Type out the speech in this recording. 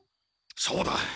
そうだ。